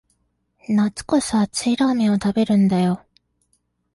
夏こそ熱いラーメンを食べるんだよ